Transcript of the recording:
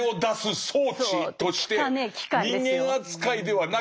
人間扱いではなく。